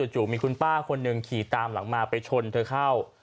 จู่มีคุณป้าคนหนึ่งขี่ตามหลังมาไปชนเธอเข้า